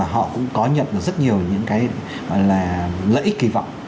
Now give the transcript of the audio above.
họ cũng có nhận được rất nhiều lợi ích kỳ vọng